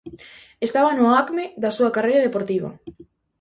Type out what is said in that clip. Estaba no acme da súa carreira deportiva.